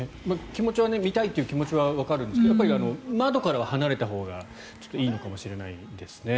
見たいっていう気持ちはわかるんですが窓からは離れたほうがいいのかもしれないですね。